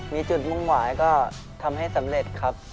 มีจุดมุ่งหมายก็ทำให้สำเร็จครับ